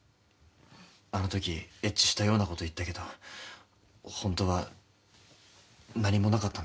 あのときエッチしたようなこと言ったけどホントは何もなかったんだ